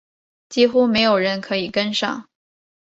几乎没有人可以跟上